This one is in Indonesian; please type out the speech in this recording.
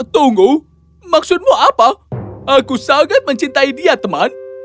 tunggu maksudmu apa aku sangat mencintai dia teman